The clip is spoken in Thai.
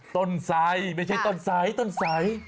ต้นใสไม่ใช่ต้นใสต้นใส